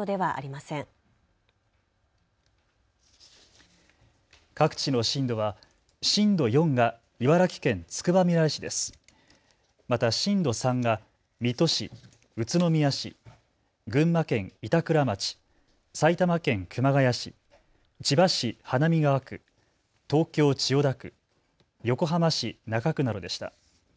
また震度３が水戸市、宇都宮市、群馬県板倉町、埼玉県熊谷市、千葉市花見川区、東京千代田区、横浜市中区などでした。